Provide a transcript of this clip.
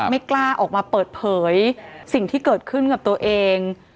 ไม่กล้าออกมาเปิดเผยสิ่งที่เกิดขึ้นกับตัวเอง